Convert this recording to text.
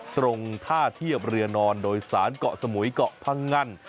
ตรงท่าเทียบเรือนอนโดยสารเกาะสมุยเกาะพังงัน